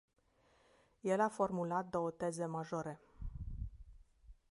El a formulat două teze majore.